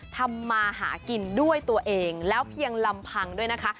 ทำมาหากินด้วยตัวเองแล้วเพียงลำพังด้วยนะคะ